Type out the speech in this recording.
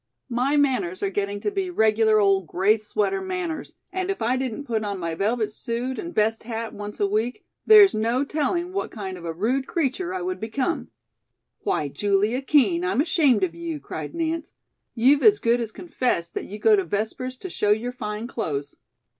My manners are getting to be regular old gray sweater manners, and if I didn't put on my velvet suit and best hat once a week there's no telling what kind of a rude creature I would become." "Why, Julia Kean, I'm ashamed of you," cried Nance, "you've as good as confessed that you go to Vespers to show your fine clothes."